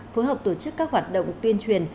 phối hợp tổ chức các hoạt động tuyên truyền